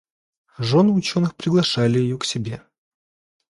Жены ученых приглашали ее к себе.